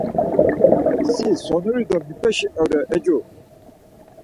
Si sonuri do mipeşi ore Ecu?